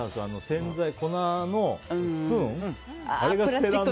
洗剤、粉のスプーン。